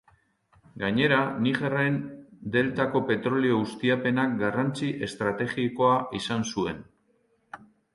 Gainera Nigerren deltako petrolio ustiapenak garrantzi estrategikoa izan zuen.